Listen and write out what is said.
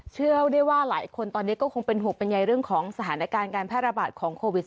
เชื่อได้ว่าหลายคนตอนนี้ก็คงเป็นห่วงเป็นใยเรื่องของสถานการณ์การแพร่ระบาดของโควิด๑